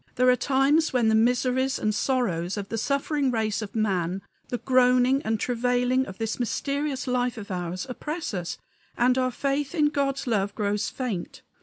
There are times when the miseries and sorrows of the suffering race of man, the groaning and travailing of this mysterious life of ours, oppress us, and our faith in God's love grows faint.